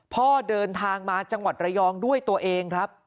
พ่อเดินทางมาจังหวัดระยองด้วยตัวเองครับ